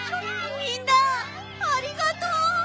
みんなありがとう！